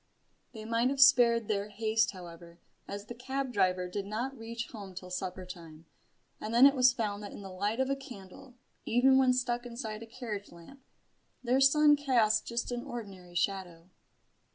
They might have spared their haste, however, as the cab driver did not reach home till supper time, and then it was found that in the light of a candle, even when stuck inside a carriage lamp, their son cast just an ordinary shadow.